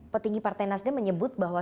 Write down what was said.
petinggi partai nasdem menyebut bahwa